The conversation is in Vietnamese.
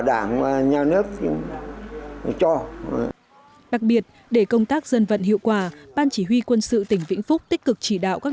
đặc biệt để công tác dân vận hiệu quả ban chỉ huy quân sự tỉnh vĩnh phúc tích cực chỉ đạo các